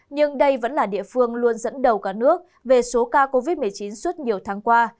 nhưng đây vẫn là địa phương luôn dẫn đầu cả nước về số ca covid một mươi chín suốt nhiều tháng qua